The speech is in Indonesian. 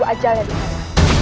penjaga bawa mereka ke dalam penjara